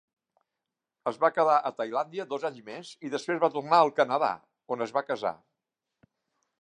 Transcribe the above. Es va quedar a Tailàndia dos anys més i després va tornar al Canadà, on es va casar.